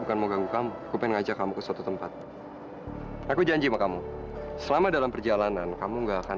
dan jangan pernah kembali lagi